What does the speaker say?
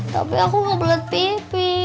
tapi aku gak belet pipi